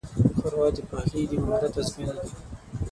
ښوروا د پخلي د مهارت ازموینه ده.